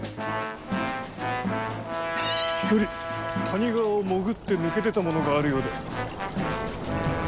一人谷川を潜って抜け出た者があるようで。